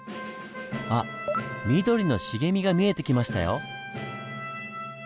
あっ緑の茂みが見えてきましたよ。